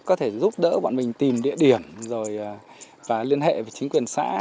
có thể giúp đỡ bọn mình tìm địa điểm rồi và liên hệ với chính quyền xã